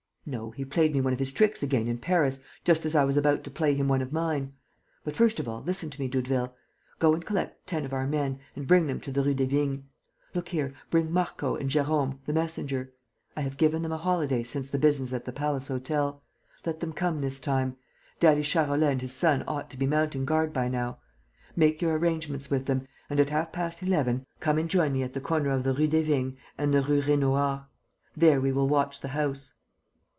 "No, he played me one of his tricks again in Paris, just as I was about to play him one of mine. But, first of all, listen to me, Doudeville. Go and collect ten of our men and bring them to the Rue des Vignes. Look here, bring Marco and Jérôme, the messenger. I have given them a holiday since the business at the Palace Hotel: let them come this time. Daddy Charolais and his son ought to be mounting guard by now. Make your arrangements with them, and at half past eleven, come and join me at the corner of the Rue des Vignes and the Rue Raynouard. From there we will watch the house."